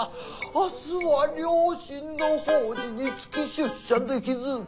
明日は両親の法事につき出社できず。